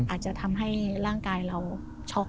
อาจจะทำให้ร่างกายเราช็อก